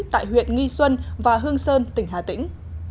tại huyện nghi xuân và hương sơn tỉnh hà tĩnh